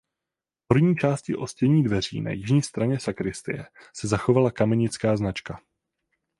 V horní části ostění dveří na jižní straně sakristie se zachovala kamenická značka.